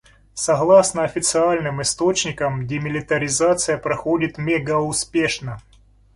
Согласно официальным источникам демилитаризация проходит мегауспешно.